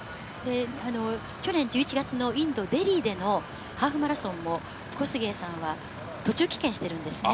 去年１１月のインド・デリーでのハーフマラソンも、コスゲイさんは途中棄権しています。